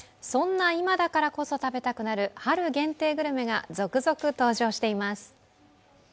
そんな今だからこそ食べたくなる春限定グルメが続々登場しています。